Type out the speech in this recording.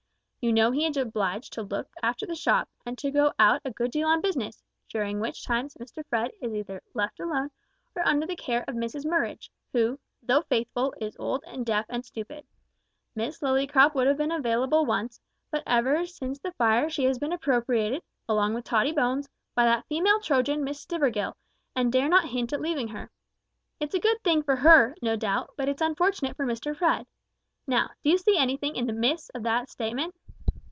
You know he is obliged to look after the shop, and to go out a good deal on business, during which times Mr Fred is either left alone, or under the care of Mrs Murridge, who, though faithful, is old and deaf and stupid. Miss Lillycrop would have been available once, but ever since the fire she has been appropriated along with Tottie Bones by that female Trojan Miss Stivergill, and dare not hint at leaving her. It's a good thing for her, no doubt, but it's unfortunate for Mr Fred. Now, do you see anything in the mists of that statement?"